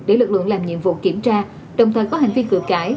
để lực lượng làm nhiệm vụ kiểm tra đồng thời có hành vi cửa cãi